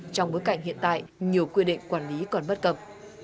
trong bối cảnh hiện tại nhiều quy định quản lý còn bất cập